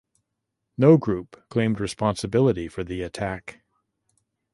No group claimed responsibility for the attack.